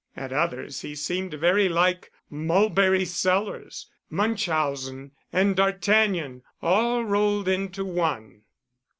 At others he seemed very like Mulberry Sellers, Munchausen, and D'Artagnan all rolled into one.